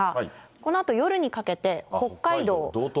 このあと夜にかけて、北海道。